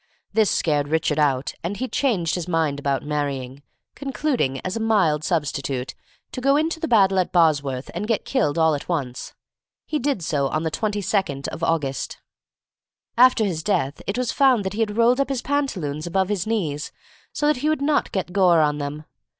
This scared Richard out, and he changed his mind about marrying, concluding, as a mild substitute, to go into battle at Bosworth and get killed all at once. He did so on the 22d of August. [Illustration: A MILD SUBSTITUTE FOR SECOND MARRIAGE.] After his death it was found that he had rolled up his pantaloons above his knees, so that he would not get gore on them.